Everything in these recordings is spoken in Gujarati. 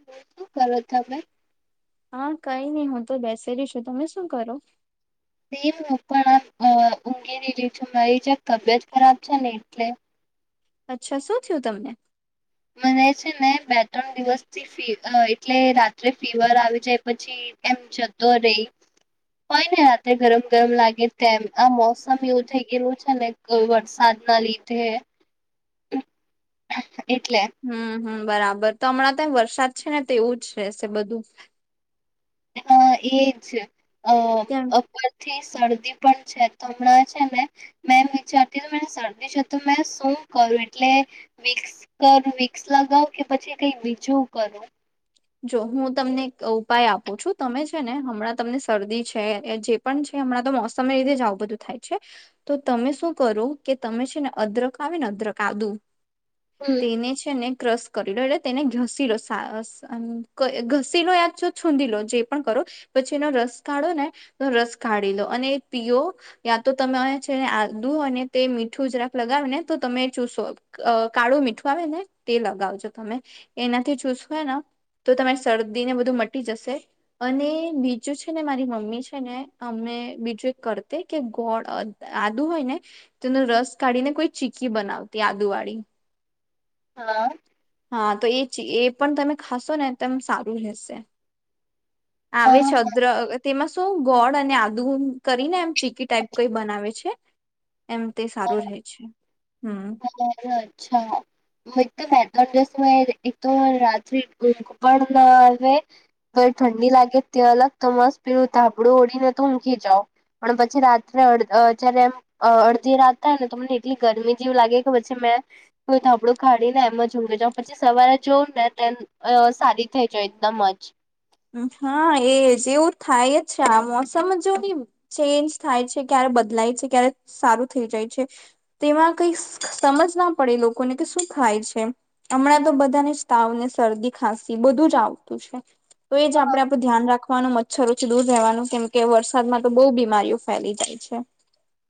[unintelligible] હા કઈ નઈ હું તો બેસેલી છું, તમે શું કરો? બેન હું પણ આ ઊઘેરીલી છું, મારી જેરા તબિયત ખરાબ છે ને એટલે અચ્છા શું થયું તમને? મને છે ને બે ત્રણ દિવસ થી ફીવ‌ અ એટલે રાત્રે ફીવર આવી જાય પછી ફી એમ જતો રહી, હોય ને રાતે ગરમ ગરમ લાગે તેમ, આ મોસમ એવું થઈ ગયેલું છે, ને કોઇ વરસાદ ના લીધે. એટલે. હમ્મ હમ્મ બરાબર, તો હમણાં ત્યાં વરસાદ છે ને, તેવું જ રહેશે બધું. અ એજ અ કેમ અપ થી શરદી પણ છે, તો હમણાં છે ને મે એમ વીચારતી હોય, મને શરદી છે તો મેં શું કરું? એટલે વીક્સ કર વીક્સ લગાવ કે, પછી કઈ બીજું કરું? જો હું તમને એક ઉપાય આપું છું, તમે છે ને હમણાં તમને શરદી છે, એ જે પણ છે, હમણાં તો મોસમ એ લીધેજ આવું બધું થાય છે. તો તમે શું કરો કે તમે છે, ને અદરક આવે ને અદરક આદુ હમ્મ તેને છે ને ક્રશ કરી લો, એટલે તેને ઘસી લો સાઅસ અ ક ઘસી લો યા છુ છોદી લો, જે પણ કરો પછી એનો રસ કાઢો ને તો રસ કાઢી લો, અને એ પીયો યાં તો તમે છેને આદુ અને તે મીઠું જરાક લગાવી ને તો તમે ચૂશો. અ કાળું મીઠું આવે ને તે લગાવજો તમે, એનાથી ચૂસવા નો તો તમારી શરદી ને બધું મટી જશે. અને બીજું છે, ને મારી મમ્મી છે ને અમે બીજું એક કરતે કે ગોળ અ આદુ હોય ને તેનો રસ કાઢી ને કોઈ ચીકી બનાવતી આદુ વાળી. હા. હા તો એ ચી એ પણ તમે ખાશો ને એદમ સારું રહેેશે. આવે હા છે અદર તેમાં શુ તો ગોળ અને આદુ એમ કરીને એમ ચીકી ટાઈપ કોઈ બનાવે છે. એમ તે સારું રહે છે, હમ્મ અચ્છા એક તો બે ત્રણ દિવસ થી [unintelligible] તો રાત્રિ ઊંઘ પણ ના આવે. તો ઠંડી લાગે અલગ તો મસ્ત પીડું તાપડું ઓળી ને તો મૂકી જાવ. પણ પછી રાત્રે અડ અત્યારે એમ અડધી રાત થાય ને તો મને એટલી ગરમી- - જેવું લાગે કે પછી મેં કોઈ થાબડું કાઢી ને એમ ઊંઘી જવ પછી સવારે જોઉ ને અ સારી થઈ જવ એકદમ જ. હા એ જેવું થાય જ આ મોસમ જો ચેન્જ થાય છે ક્યારે બદલાય છે ક્યારે સારું થઈ જાય છે તેમાં કઈ સમજ ના પડે લોકોને કે શું થાય છે. હમણાં તો બધાની જ તાવ ને શરદી ખાંસી બધું જ આવતું છે. તો એ જ હા આપડેડું ધ્યાન રાખવાનું મચ્છરોથી દૂર રહેવાનું કેમ કે વરસાદમાં તો બહુ બીમારીઓ ફેલી જાય છે.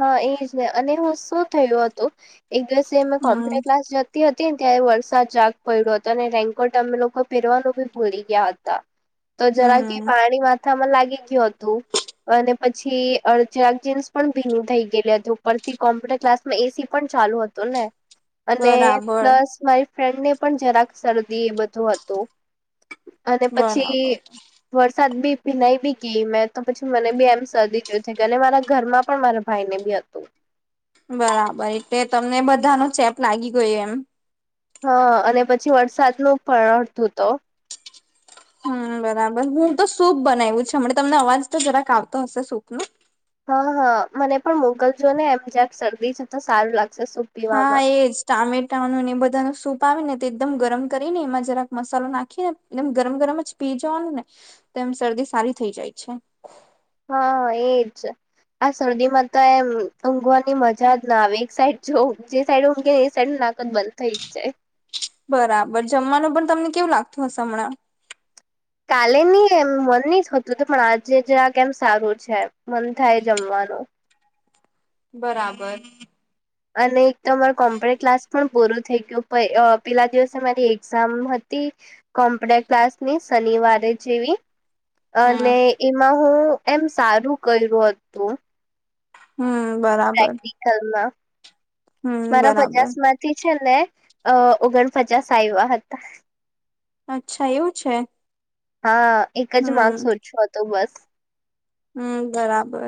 હા એ જ ને અને હું શું થયું હતું એક દિવસેમે હમ કોમ્પ્યુટર ક્લાસ જ હતી ને ત્યારે વરસાદ જાગ પડ્યો હતો અને રેન્કોર્ટ અમે લોકો પેરવાનું બી ભૂલી ગયા હતા. તો જરા કે હમ પાણીમાં થા લાગી ગયું હતું અને પછી અચરાગ જીન્સ પણ ભીન થઈ ગયલ હતું ઉપથી કોમ્પ્યુટર ક્લાસ માં એસી પણ ચાલુ હતું ને અને બરાબર પ્લસ મારી ફ્રેન્ડને પણ જરાક શરદી એ બધું હતું. અને પછી બરાબર વરસાદ બી ભીનાઈ બી ગઈ મેં તો પછી મને બી એમ શરદી જોઈ થ ગ અને મારા ઘરમાં પણ મારા ભાઈ ને બી હતું. બરાબર એટલે તમને બધા ન ચેપ લાગી ગયો એમ હા અને પછી વરસાદ નું પણતું તો હમ બરાબર હું તો સૂપ બનાવું છે હમના તમને અવાજ તો જરાક આવતો હશે સૂપ નો હા હા મને પણ મોગલ જો ને એમ જ્યાક શરદી છે તો સારું લાગશે સૂ હા એજ. ટામેટાનું ને એ બધા ન સૂપ આવે ને તો એકદમ ગરમ કરીને એમાં જરાક મસાલો નાખી ને એમ ગરમ ગરમ જ પી જવાનું ને તો એમ શરદી સારી થઇ જાય છે. હા એજ આ શરદી માં તો એમ ઊંઘવાની મજા જ ના આવે એક સાઈડ જો જે સાઈડ ઊંઘને એ સાઈડ નાક બંધ થઈ જ જાય. બરાબર જમવાનું પણ તમને કેવું લાગતું હશે હમણાં કાલે નની એમ મન નહ થતું હતું પણ આજે જ આ કેમ સારું છે. મન થાય જમવાનું. બરાબર અને એક તો અમારો કોમ્પ્યુટર ક્લાસ પણ પૂરું થઈ ગયું પેલા દિવસે મારી એક્ઝામ હતી કોમ્પ્યુટ ક્લાસની શનિવારે જેવી અને હમ્મ. એમાં હું એમ સારું કર્યું હતું. હમ બરાબર ક હમ્મ મારા બરાબર પચાસમાં થી છેને અ ઓગણપચાસ આવ્યા હતા. અચ્છા એવું છે હા એક જ માર્કસ હમ્મ. ઓછો હતો બસ. હમ બરાબર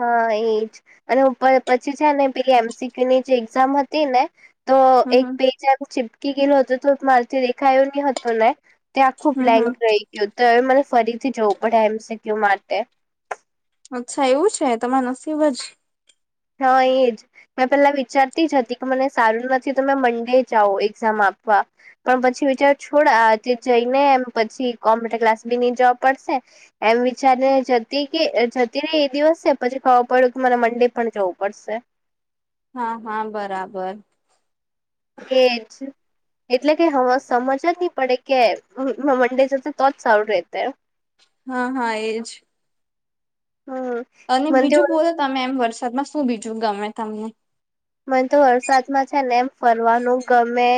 હા એ જ અને ઉપર પછી છે ને પેલી એમસીક્યુ ની જે એક્ઝામ હતી ને તો હમ્મ એક હમ્મ પેજ ચીપકી ગયેલુ હતુ તો મારેથી દેખાયો નહી હતો ને ત્યાં આખું હમ્મ બ્લેન્ક હમ્મ રહી ગયું તો હવે મને ફરીથી જવું પડે એમ સીકયુ માટે. અચ્છા એવું છે તમાર નસીબ જ. હા એ જ. મેં પેલા વિચારતી જ હતી કે મને સારું નથી તમે મંડે જાઉ એક્ઝામ આપવા પણ પછી વિચારો છોડ તે જઈને એમ પછી કોમ્પ્યુટર ક્લાસ બી ની જોવા પડશે એમ વિચારને જતી કે જતી ને એ દિવસ છે પછી ખબર પડ્યું કે મારે મંડે પણ જવું પડશે. હા હા બરાબર. એજ. એટલે કે હ સમજ જ નહી પડે કે મંડે જતો તો જ સારું રતે. હા હા એજ. હા. અને બીજું બોલો તમે એમ વરસાદમાં શું બીજું ગમે તમને. મને તો વરસાદમાં છે ને એમ ફરવાનું ગમે.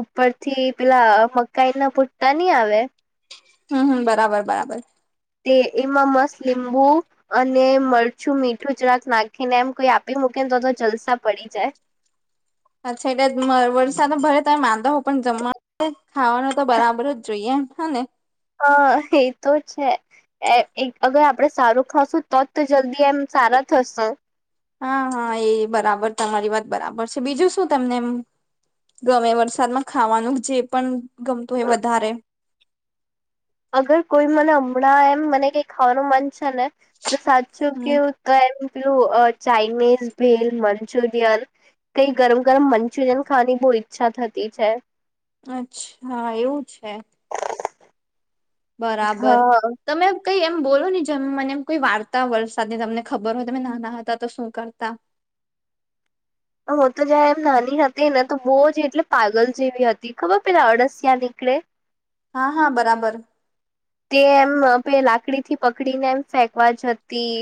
ઉપરથી પેલા મકાઈ ના પૂટતા નઈ આવે. હમ હમ બરાબર બરાબર. તે એમાં મસ્ત લીંબુ. અને મરચું મીઠું જરાક નાખીને એમ કોઈ આપી મૂકે ને તો તો જલસા પડી જાય. અચ્છા એટલે અ વરસાદ ભરે તમે માદો હો પણ જમવા. ખાવાનું તો બરાબર જ જોઈએ એમ હ ને. હા એ તો છે. એ એક અગર આપડે સારું ખાશું તો જ તો જલ્દી એમ સારા થશું. હા હા એ બરાબર તમારી વાત બરાબર છે બીજું શું તમને એમ. ગમે વરસાદમાં ખાવાનું જે પણ ગમતું હો વધારે. અગર કોઈ મને હમણાં એમ મને કઈ ખાવાનું મન છે ને તો સાચું હમ કેવું. તો એમ પીલુ અ ચાઈનીઝ ભેલ મંચુરિયન કઈ ગરમ ગરમ મન. મનચુર્યન ખાવાની બહુ ઈચ્છા થતી છે. અચ્છા એવું છે. બરાબર. હા તમે કઈ એમ બોલો ને જેમ મને એમ કોઈ વાર્તા વરસાદની તમને ખબર હોય તમે નાના હતા તો શું કરતા. હું તો જં એમ નાની હતી ને તો બહુ જ એટલે પાગલ જેવી હતી ખબર પેલા અડસિયા નીકળે. હા હા બરાબર. તે એમ બે લાકડીથી પકડીને એમ ફેંકવા જતી.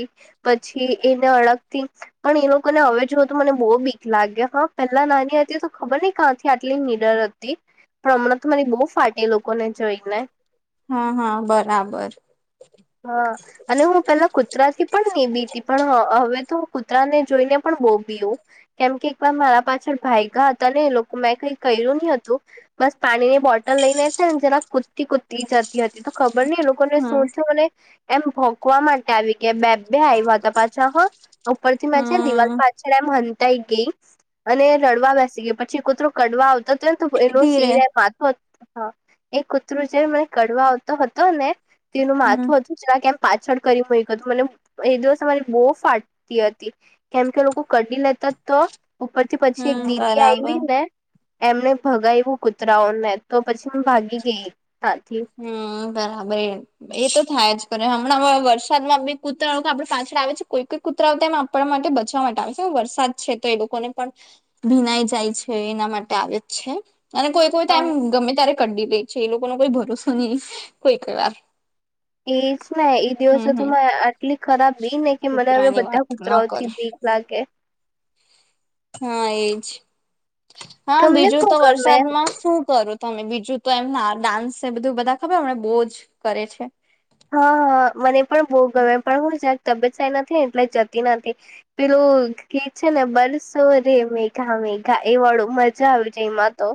પછી એને અડગથી. પણ એ લોકોને હવે જુઓ તો મને બહુ બીક લાગે હા પેલા નાની હતી તો ખબર નઈ. કાથી આટલી નિડર હતી પણ હમણાં તો મરી બહુ ફાટે લોકોને જોઈ ને. હા હા બરાબર. હા. અને હું પેલા કૂતરા થી પણ ની બીતી પણ હ હવે તો કૂતરાને જોઈને પણ બો બીઉ. કેમ કે એક વાર મારા પાછળ ભાઈગા હતા ને એ લોકો મેં કઈ કર્યું નહી હતું. બસ પાણી ની બોટલ લઈને છે ને જેના કૂદતી કૂદતી જતી હતી તો. ખબર નઈ એ લોકોને હમ શું થયું અને એમ ભોકવા માટે આવી ગયા કે બે. બે આઇવા હતા પાછા હ ઉપરથી મે છે દિવાલ હમ પાછળ એમ હતાઈ ગઈ. અને રડવા બેસી ગયા પછી કૂતરો કડવા આવતા હતો ને તો એનું ધીરે સિર મા. એ કૂતરું જે મને કડવા આવતો હતો ને તેનું હમ માથું હતું. કેમ પાછળ કરી મ હતું મને એ દિવસરી બહુ ફાટતી હતી. કેમ કે લોકો કઢી લેતા તો ઉપર થી પછી એક હમ દીદી બરાબર આવી ને. એમને ભગાવવું કૂતરાઓ ને તો પછી ભાગી ગઈ ત્યાંથી. હમ બરાબર એ. એ તો થાય જ કરે હમણાં વરસાદ માં બી કૂતરા લોકો આપડે પાછળ આવે છે કોઈ કોઈ. કુતરાવતા એમ આપણ માટે બચવા માટે આવે છે વરસાદ છે તો એ લોકોને પણ ભીનાઈ જાય છે એના માટે આવે છે અને કોઈ. હું હા તેમ ગમે ત્યારે કડી રે છે એ લોકો નું કોઈ ભરોસો નહી કોઈ ક વાર. એજ ને એ દિવસો હમ તો હમ આટલી ખરાબ બી ને કે મને હવે કૂતરાની વાત બધા ન કરે કુતરાઓથી બી. લાગે. હા એજ હા તમને બીજું તો શું ગમે વરસાદમાં શું કરો. તમે બીજું તો એમના ડાન્સે બધું બધા ખબર એમના બો જ કરે છે. હા હા મને પણ બહુ ગમે પણ હું જક તબિયત સાઈ નથી ને એટલે જતી નથી. પેલું કે છે ને બરસો રે મેઘા મેઘા એ વાળો મજા આવી જાય એમાં. તો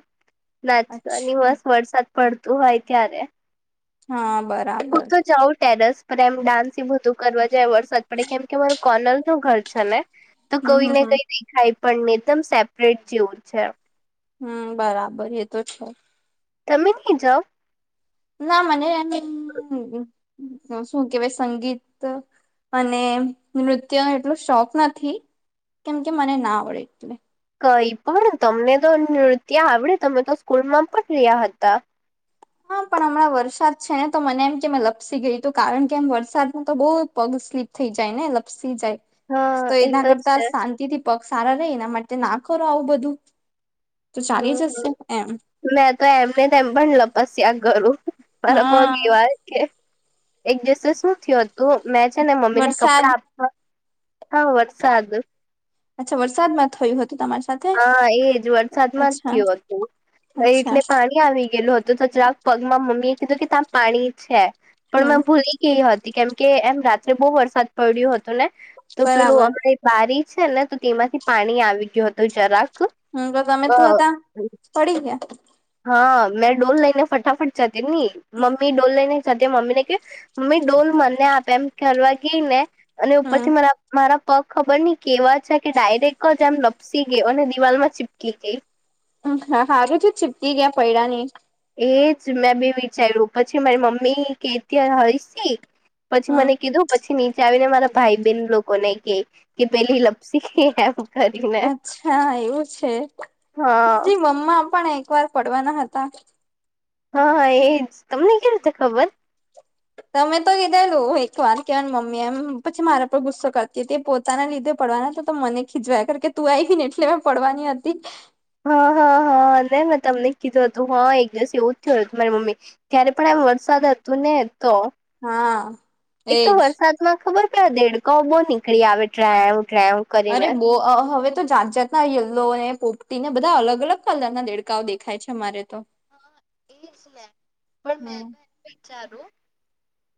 નાચની અચ્છા બસ વરસાદ પડતું હોય ત્યારે હા બા હું તો જાઉ ટેરસ પણ એમ ડાન્સ એ બધું કરવા જાય વરસાદ પડે કેમ કે મારુ કોનલ નું ઘર છે ને. તો હમ કઈ હમ ને હમ કઈ દેખાય પણને એકદમ સેપરેટ જેવું છે. હમ્મ બરાબર એ તો છે. તમે ની જાઓ. ના મને એમ ભી શું કેવાય સંગીત અને નૃત્ય નો એટલો શોખ નથી કેમ કે મને ના આવડે એટલે. કઈ પણ તમને તો નૃત્ય આવડે તમે તો સ્કૂલમાં પણ રહ્યા હતા. હા પણ હમણાં વરસાદ છે ને તો મને એમ કે લપસી ગઈ તો કારણ કે એમ વરસાદ ન તો બહુ પગ સ્લીપ થઈ જાય ને લપસી જાય હા તો એ એના કરતા છે શાંતિથી પગ સારા રે એના માટે ના કરો આવું બધું તો ચાલી હમ. જશે એમ. મેં તો એમને તેમ પણ લપસ્યા કરું મારા પગ હા એવા કે એક દિવસે શું થયું હતું મેં છે ને મમ્મી ને વરસાદ કપડા આપ હ હા વરસાદ અચ્છા વરસાદ માં થયું હતું તમારે હા એજ વરસાદમાં જ થયું હતું અચ્છા એટલે પાણી આવી ગયેલું હતું તો જરાક પગમાં મમ્મી એ કીધું કે ત્યાં પાણી છે પણ હમ મેં ભૂલી કે એ હતી કેમકે એમ રાત્રે બહુ વરસાદ પડ્યો હતો ને તો પેલું બરાબર [unintelligible] બારી છે ને તો તેમાંથી પાણી આવી ગયું હતું જરાક હ તો તમે અ તો તો ત્યાં પડી ગયા. હા મેં ડોલ લઈને ફટાફટ જતી હતી મમ્મી ડોલ લઈને જતી મમ્મી ને કે મમ્મી ડોલ મને આપે એમ કરવારવા ગઈ ને અને ઉપર થી હમ મને મારા પગ ખબર નઈ કેવા છે કે ડાયરેક્ટ જ આમ લપસી ગયો અને દિવાલ માં ચીપકી ગઈ. હા હા હારુ છે ચીપકી ગયા પૈડા નહિ. એજ મેં બે વિચાર્યું પછી મારી મમ્મી કેતી હોયશી પછી હમ મને કીધું પછી નીચે આવીને મારા ભાઈ બહેન લોકોને કે કે પેલી લપ અચ્છા એવું છે. હા પછી મમ્મા પણ એક વાર પડવાના હતા. હા એજ તમને કેવી રીતે ખબર. તમે તો કીધેલું એક વાર કેહેવાય મમ્મી એમ પછી મારા પર ગુસ્સો કરતી તે પોત પોતા ના લીધે પડવાના હતા તો મને ખીજવાય કાર કે તું આવી ને એટલે મેં પડવાની હતી. હા હા હા ને મેં તમને કીધું હતું હા એક દિવસ એવું જ થયું હતું મારી મમ્મી ત્યારે પણ એમ વરસાદ હતું ને તો હા એક તો એજ વરસાદ માં ખબર પેલો દેડકાઓ બહુ નીકળી આવે ટ્રેવ ટ્રેવ અરે કરીને બો હવે તો જાત જાત ના યલો હે પોપટી ને બધા અલગ અલગ કલર ના દેડકાઓ દેખાય છે અમારે તો. એ જ ને પણ મેં હમ તો એ વિચારું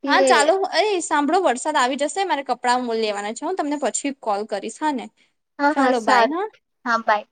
કે હા ચાલો. આઈ સાંભળો વરસાદ આવી જશે મારે કપડાં લેવાના છે હું તમને પછી કોલ કરીશ હા ને. હા હા ચાલો બાય હા સારું હા બાય.